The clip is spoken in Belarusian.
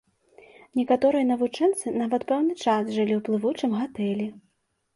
Некаторыя навучэнцы нават пэўны час жылі ў плывучым гатэлі.